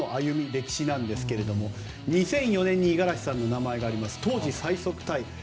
歴史なんですが、２００４年に五十嵐さんの名前があります。